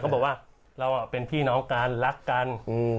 บอกว่าเราเป็นพี่น้องกันรักกัน